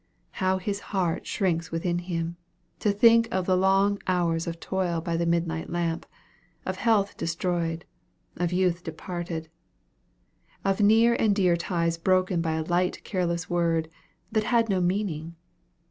How his heart shrinks within him, to think of the long hours of toil by the midnight lamp of health destroyed of youth departed of near and dear ties broken by a light careless word, that had no meaning!